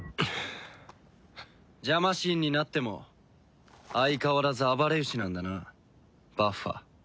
ジャマ神になっても相変わらず暴れ牛なんだなバッファ。